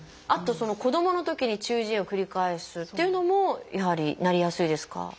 あと「子どものときに中耳炎を繰り返す」っていうのもやはりなりやすいですか？